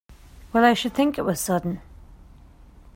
Well I should think it was sudden!